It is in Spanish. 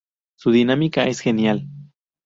Su dinámica es genial.